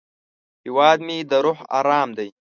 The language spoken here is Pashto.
هیواد مې د روح ارام دی